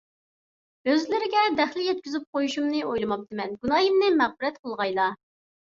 ئۆزلىرىگە دەخلى يەتكۈزۈپ قويۇشۇمنى ئويلىماپتىمەن. گۇناھىمنى مەغپىرەت قىلغايلا.